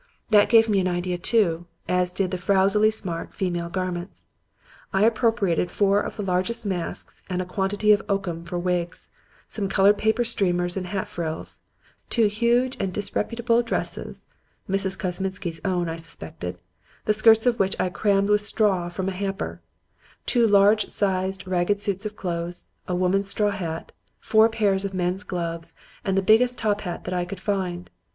That gave me an idea, too, as did the frowsily smart female garments. I appropriated four of the largest masks and a quantity of oakum for wigs; some colored paper streamers and hat frills; two huge and disreputable dresses Mrs. Kosminsky's own, I suspected the skirts of which I crammed with straw from a hamper; two large sized and ragged suits of clothes, a woman's straw hat, four pairs of men's gloves and the biggest top hat that I could find.